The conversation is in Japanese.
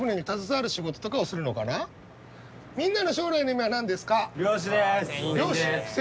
みんなの将来の夢は何ですか？